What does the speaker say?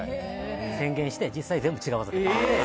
宣言して、実際に全部違う技で。